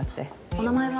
お名前は？